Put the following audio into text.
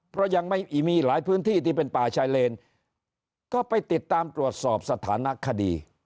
เพราะยังไม่มีหลายพื้นที่ที่เป็นป่าชายเลนก็ไปติดตามตรวจสอบสถานะคดี